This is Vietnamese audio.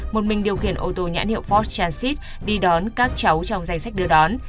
một mình điều khiển ô tô nhãn hiệu fox transit đi đón các cháu trong danh sách đưa đón